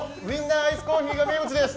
アイスコーヒーが名物です。